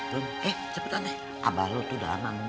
rom eh cepet ameh abah lo tuh udah lama nunggu